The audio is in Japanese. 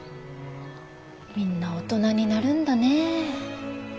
みんな大人になるんだね。